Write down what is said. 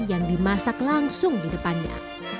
yang dimasak langsung di depannya